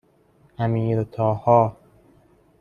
امیرطاها